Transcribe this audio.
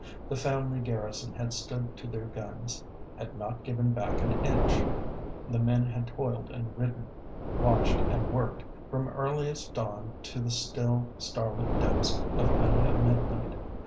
The family garrison had stood to their guns; had not given back an inch. The men had toiled and ridden, watched and worked, from earliest dawn to the still, starlit depths of many a midnight.